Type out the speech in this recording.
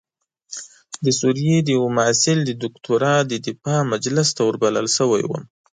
د سوریې د یوه محصل د دکتورا د دفاع مجلس ته وربلل شوی وم.